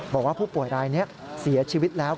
บอกว่าผู้ป่วยรายนี้เสียชีวิตแล้ว